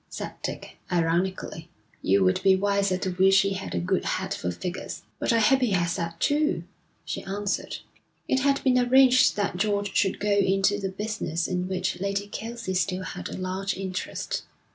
said Dick, ironically. 'You would be wiser to wish he had a good head for figures.' 'But I hope he has that, too,' she answered. It had been arranged that George should go into the business in which Lady Kelsey still had a large interest.